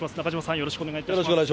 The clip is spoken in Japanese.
よろしくお願いします。